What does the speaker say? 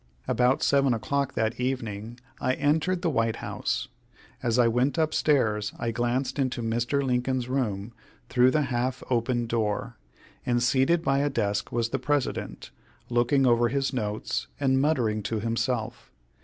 About 7 o'clock that evening I entered the White House. As I went up stairs I glanced into Mr. Lincoln's room through the half open door, and seated by a desk was the President, looking over his notes and muttering to himself.